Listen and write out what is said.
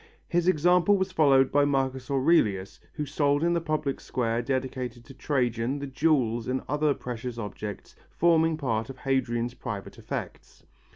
His example was followed by Marcus Aurelius who sold in the public square dedicated to Trajan the jewels and other precious objects forming part of Hadrian's private effects.